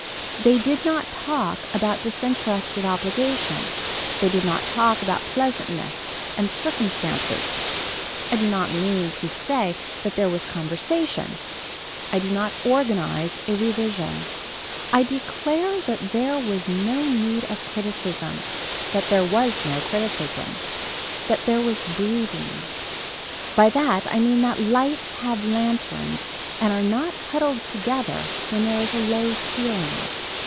They did not talk about disinterested obligation. They did not talk about pleasantness and circumstances. I do not mean to say that there was conversation. I do not organize a revision. I declare that there was no need of criticism. That there was no criticism. That there was breathing. By that I mean that lights have lanterns and are not huddled together when there is a low ceiling.